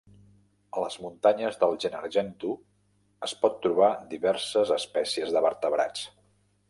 A les muntanyes del Gennargentu es pot trobar diverses espècies de vertebrats.